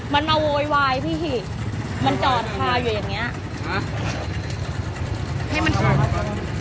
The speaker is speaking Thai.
มันมาโวยวายพี่มันจอดคาอยู่อย่างเงี้ย